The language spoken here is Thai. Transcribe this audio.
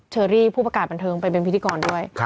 เชอรี่ผู้ประกาศบันเทิงไปเป็นพิธีกรด้วย